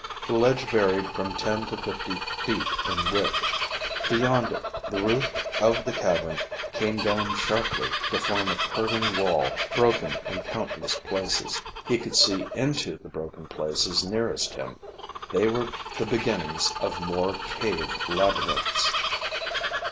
The ledge varied from ten to fifty feet in width. Beyond it, the roof of the cavern came down sharply to form a curving wall broken in countless places. He could see into the broken places nearest him. They were the beginnings of more cave labyrinths.